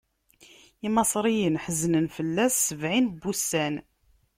Imaṣriyen ḥeznen fell-as sebɛin n wussan.